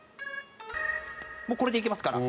もうこれでいけますから。